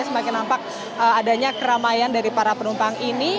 semakin nampak adanya keramaian dari para penumpang ini